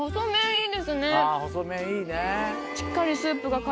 細麺いいね。